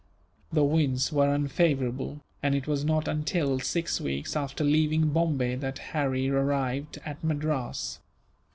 The winds were unfavourable, and it was not until six weeks after leaving Bombay that Harry arrived at Madras.